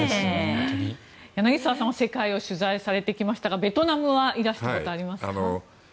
柳澤さんは世界を取材されてきましたがベトナムはいらしたことありますか？